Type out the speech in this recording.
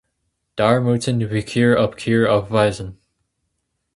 Daar moeten we keer op keer op wijzen.